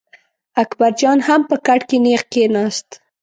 اکبر جان هم په کټ کې نېغ کېناست.